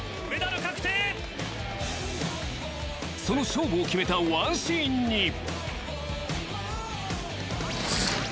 その勝負を決めたワンシーンに。